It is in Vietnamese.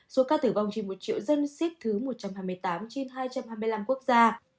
số ca tử vong trên một triệu dân xếp thứ một trăm hai mươi tám trên hai trăm hai mươi năm quốc gia